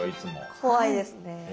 怖いですね。